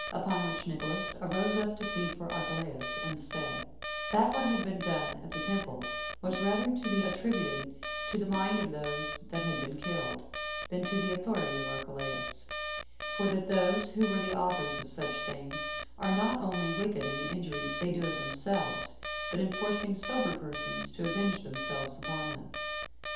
Upon which Nicolaus arose up to plead for Archelaus, and said, "That what had been done at the temple was rather to be attributed to the mind of those that had been killed, than to the authority of Archelaus; for that those who were the authors of such things are not only wicked in the injuries they do of themselves, but in forcing sober persons to avenge themselves upon them.